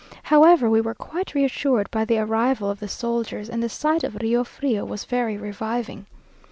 However, we were quite reassured by the arrival of the soldiers, and the sight of Rio Frío was very reviving.